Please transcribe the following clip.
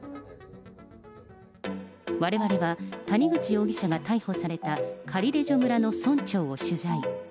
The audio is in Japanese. われわれは、谷口容疑者が逮捕されたカリレジョ村の村長を取材。